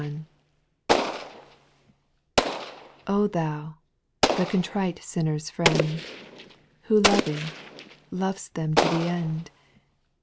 f\ THOU, the contrite sinner's Friend, \J Who loving, lov'st them to the end.